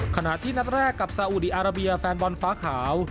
ขณะที่นัดแรกกับซาอุดีอาราเบียแฟนบอลฟ้าขาว